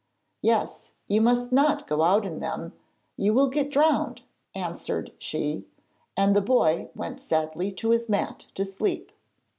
'Yes; you must not go out in them. You will get drowned,' answered she, and the boy went sadly to his mat to sleep.